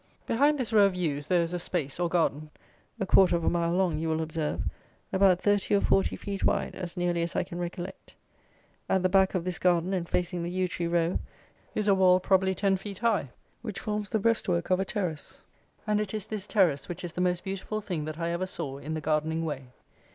Behind this row of yews, there is a space, or garden (a quarter of a mile long you will observe) about thirty or forty feet wide, as nearly as I can recollect. At the back of this garden, and facing the yew tree row, is a wall probably ten feet high, which forms the breastwork of a terrace; and it is this terrace which is the most beautiful thing that I ever saw in the gardening way.